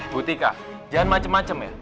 butika jangan macem macem ya